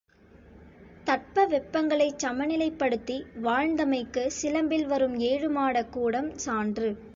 தட்ப வெப்பங்களைச் சமநிலைப்படுத்தி வாழ்ந்தமைக்கு, சிலம்பில் வரும் ஏழுமாடக் கூடம் சான்று.